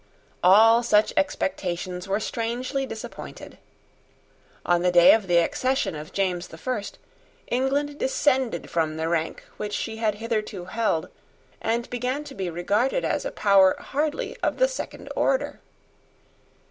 All such expectations were strangely disappointed. On the day of the accession of James the First, England descended from the rank which she had hitherto held, and began to be regarded as a power hardly of the second order.